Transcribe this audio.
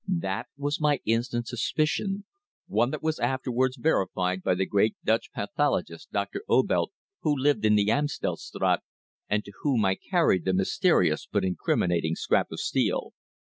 That was my instant suspicion, one that was afterwards verified by the great Dutch pathologist Doctor Obelt, who lived in the Amstel Straat, and to whom I carried the mysterious but incriminating scrap of steel.